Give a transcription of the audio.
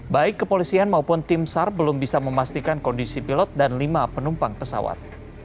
baik kepolisian maupun tim sar belum bisa memastikan kondisi pilot dan lima penumpang pesawat